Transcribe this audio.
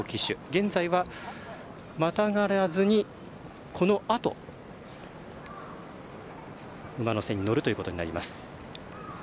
現在は、またがらずにこのあと馬の背に乗るということになります。